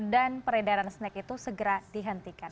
dan peredaran snack itu segera dihentikan